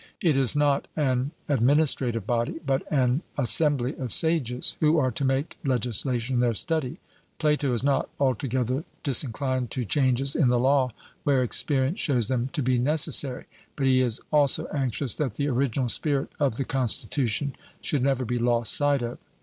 It is not an administrative body, but an assembly of sages who are to make legislation their study. Plato is not altogether disinclined to changes in the law where experience shows them to be necessary; but he is also anxious that the original spirit of the constitution should never be lost sight of.